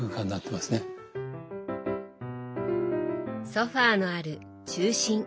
ソファーのある「中心」。